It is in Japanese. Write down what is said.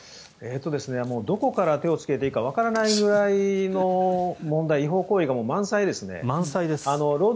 どこから手をつけていいかわからないぐらいの問題、違法行為が満載ですね。